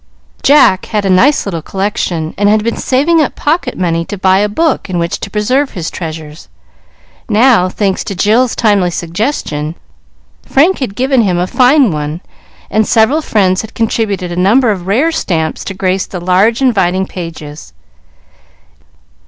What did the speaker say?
Jack had a nice little collection, and had been saving up pocket money to buy a book in which to preserve his treasures. Now, thanks to Jill's timely suggestion, Frank had given him a fine one, and several friends had contributed a number of rare stamps to grace the large, inviting pages.